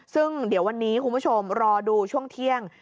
ซึ่งเดี๋ยววันนี้คุณผู้ชมรอดูช่วงเที่ยง